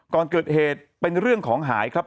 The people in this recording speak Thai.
ก่อนเกิดเหตุเป็นเรื่องของหายครับ